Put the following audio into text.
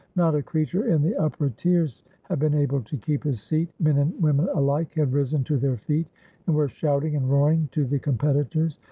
Not a crea ture in the upper tiers had been able to keep his seat; men and women alike had risen to their feet and were shouting and roaring to the competitors.